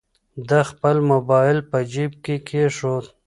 ده خپل موبایل په جیب کې کېښود.